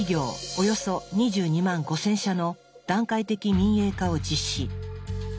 およそ２２万５０００社の段階的民営化を実施。